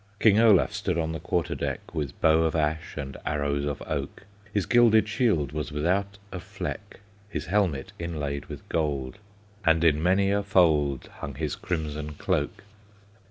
King Olaf stood on the quarter deck, With bow of ash and arrows of oak, His gilded shield was without a fleck, His helmet inlaid with gold, And in many a fold Hung his crimson cloak.